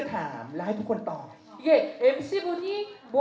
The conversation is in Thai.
จากครั้งเดียว